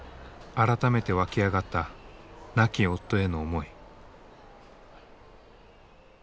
改めて湧き上がった亡き夫への思い。